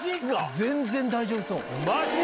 全然大丈夫そう。